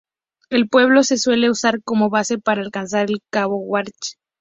El pueblo se suele usar como base para alcanzar el cabo Wrath.